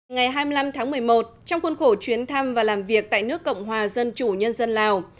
ngày hai mươi năm tháng một mươi một trong khuôn khổ chuyến thăm và làm việc tại nước cộng hòa dân chủ nhân dân lào